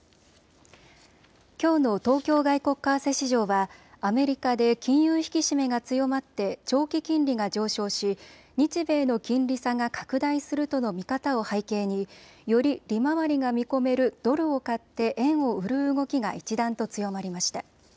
きょうの東京外国為替市場はアメリカで金融引き締めが強まって長期金利が上昇し日米の金利差が拡大するとの見方を背景により利回りが見込めるドルを買って円を売る動きが一段と強まりました。